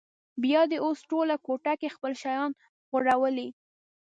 بیا دې اوس ټوله کوټه کې خپل شیان غوړولي.